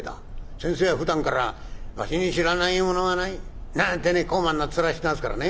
先生はふだんから『わしに知らないものはない』なんてね高慢な面してますからね。